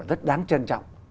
rất đáng trân trọng